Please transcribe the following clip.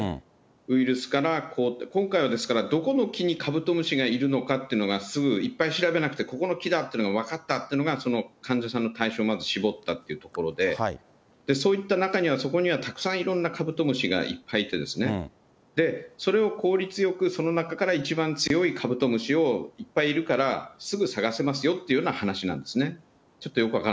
ウイルスから、今回は、どこの木にカブトムシがいるのかっていうのが、すぐ、いっぱい調べなくて、この木だっていうのが分かったっていうのが、その患者さんの対象をまず絞ったっていうところで、そういった中には、そこには、たくさんいろんなカブトムシがいっぱいいて、それを効率よく、その中から一番強いカブトムシをいっぱいいるから、すぐ探せますよっていうような話なんですね。